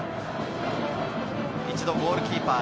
一度ゴールキーパーへ。